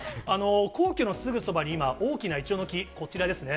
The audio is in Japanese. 皇居のすぐそばに今、大きなイチョウの木、こちらですね。